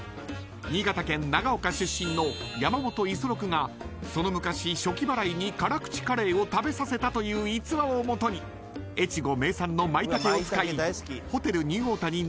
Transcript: ［新潟県長岡出身の山本五十六がその昔暑気払いに辛口カレーを食べさせたという逸話をもとに越後名産のマイタケを使いホテルニューオータニ